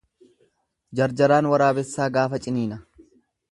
Jarjaraan waraabessaa gaafa ciniina.